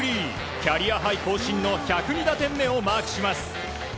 キャリアハイ更新の１０２打点目をマークします。